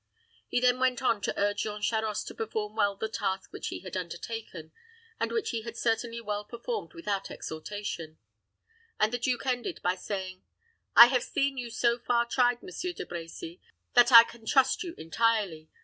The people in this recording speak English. He then went on to urge Jean Charost to perform well the task which he had undertaken, and which he had certainly well performed without exhortation; and the duke ended by saying, "I have seen you so far tried, Monsieur De Brecy, that I can trust you entirely.